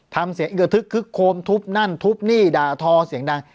ทำเชียงเนี้ยทึกคลึกโค้มทุบนั่นทุบหนี้ดาทอเสียงดัง